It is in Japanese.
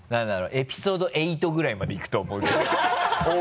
エピソード８ぐらいまでいくと思うけど